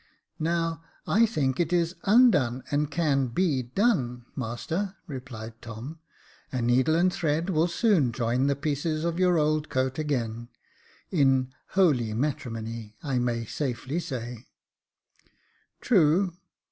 "Now, I think it is undone, and can be done, master," replied Tom. " A needle and thread will soon join the pieces of your old coat again — in holy matrimony, I may safely say "" True.